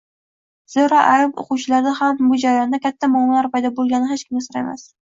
Zero, ayrim oʻqituvchilarda ham bu jarayonda katta muammolar paydo boʻlgani hech kimga sir emas.